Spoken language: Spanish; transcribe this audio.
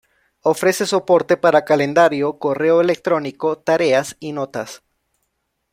Ofrece soporte para calendario, Correo electrónico, tareas y notas.